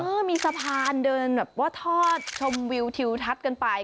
เออมีสะพานเดินแบบว่าทอดชมวิวทิวทัศน์กันไป